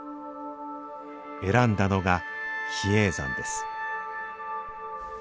選んだのが比叡山です